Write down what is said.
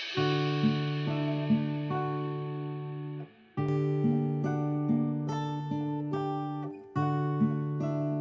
kamu selalu meluk tubuh kamu mas